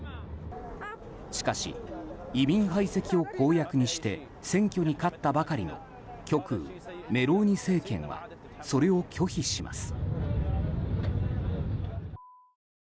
しかし、移民排斥を公約にして選挙に勝ったばかりの極右メローニ政権はそれを拒否します。